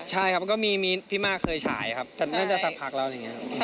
ใช่ครับก็มีมีพี่มาเคยฉายครับแต่ไม่ได้สับผักแล้วอย่างเงี้ยครับ